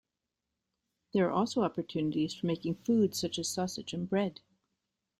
There are also opportunities for making foods such as sausage and bread.